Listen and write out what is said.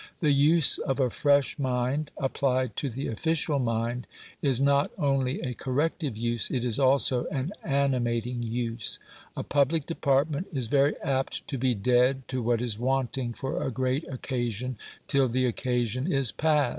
The use of a fresh mind applied to the official mind is not only a corrective use, it is also an animating use. A public department is very apt to be dead to what is wanting for a great occasion till the occasion is past.